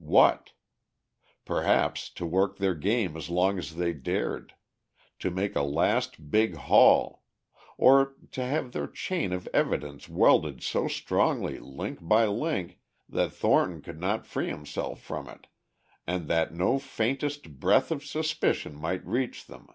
What? Perhaps to work their game as long as they dared, to make a last big haul, or to have their chain of evidence welded so strongly link by link that Thornton could not free himself from it and that no faintest breath of suspicion might reach them.